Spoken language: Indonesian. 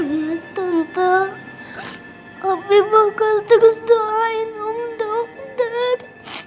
ya tenta abi bakal terus doain om dokter